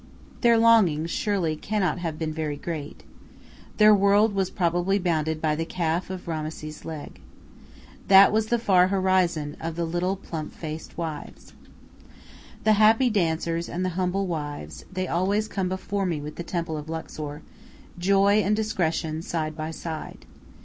Their longings surely cannot have been very great. Their world was probably bounded by the calf of Rameses's leg. That was "the far horizon" of the little plump faced wives. The happy dancers and the humble wives, they always come before me with the temple of Luxor joy and discretion side by side.